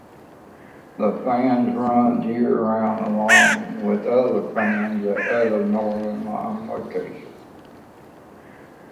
The fan runs year round along with fans at other Northern line locations.